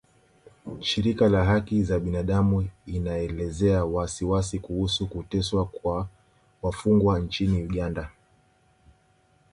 Shirika la haki za binadamu inaelezea wasiwasi kuhusu kuteswa kwa wafungwa nchini Uganda